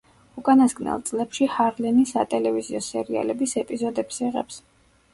უკანასკნელ წლებში ჰარლინი სატელევიზიო სერიალების ეპიზოდებს იღებს.